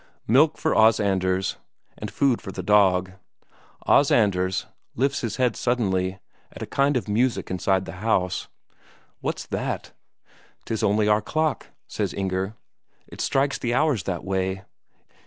Milk for Os Anders, and food for the dog. Os Anders lifts his head suddenly, at a kind of music inside the house. "What's that?" "'Tis only our clock," says Inger. "It strikes the hours that way."